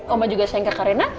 omah juga sayang kakak rena